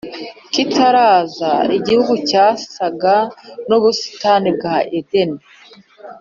Kitaraza, igihugu cyasaga n’ubusitani bwa Edeni,